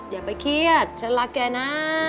อย่าไปเครียดฉันรักแกนะ